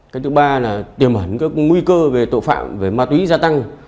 cái thứ ba là tiềm hẳn các nguy cơ về tội phạm về ma túy gia tăng